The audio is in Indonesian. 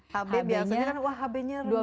hb biasanya kan wah hb nya rendah